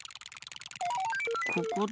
ここで？